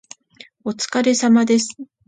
お疲れ様です